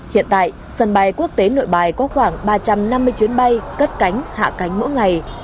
hiện tại sân bay quốc tế nội bài có khoảng ba trăm năm mươi chuyến bay cất cánh hạ cánh mỗi ngày